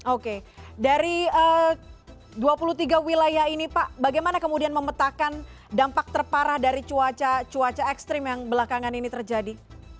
oke dari dua puluh tiga wilayah ini pak bagaimana kemudian memetakan dampak terparah dari cuaca cuaca ekstrim yang belakangan ini terjadi